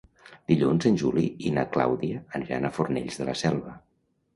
Dilluns en Juli i na Clàudia aniran a Fornells de la Selva.